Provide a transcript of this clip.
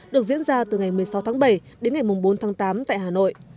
được diễn ra từ ngày một mươi sáu tháng bảy đến ngày bốn tháng tám tại hà nội